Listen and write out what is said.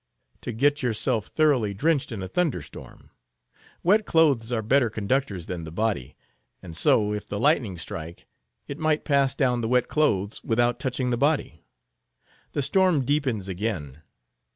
—to get yourself thoroughly drenched in a thunder storm. Wet clothes are better conductors than the body; and so, if the lightning strike, it might pass down the wet clothes without touching the body. The storm deepens again.